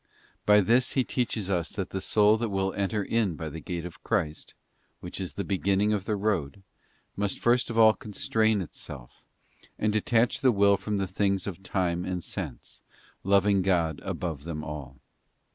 By this He teaches us that the soul that will enter in by the gate of Christ, which is the beginning of the road, must first of all constrain itself, and detach the will from the things of time and sense, loving God above them all.